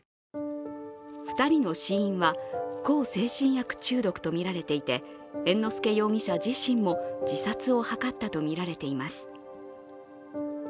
２人の死因は向精神薬中毒とみられていて、猿之助容疑者自身も自殺を図ったとみられています。